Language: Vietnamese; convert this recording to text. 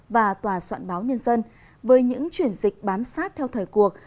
và tòa soạn báo nhân dân với những chuyển dịch bám sát theo thời cuộc